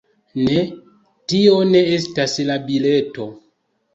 Ne, tio ne estas la bileto